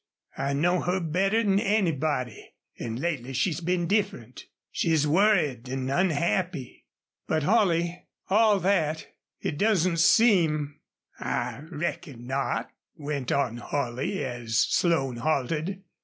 I know her better 'n anybody. An' lately she's been different. She's worried an' unhappy." "But Holley, all that it doesn't seem " "I reckon not," went on Holley, as Slone halted.